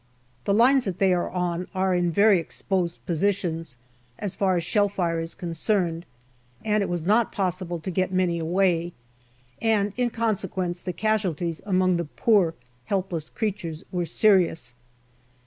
The lines that they are on are in very exposed positions as far as shell fire is concerned, and it was not possible to get many away, and in conse quence the casualties among the poor helpless creatures were serious.